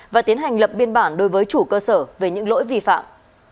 và tiến hành lập biên bản đối với chủ cơ sở về những lỗi vi phạm